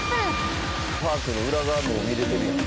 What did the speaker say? パークの裏側も見れてるやん。